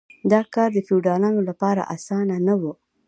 دا کار د فیوډالانو لپاره اسانه نه و.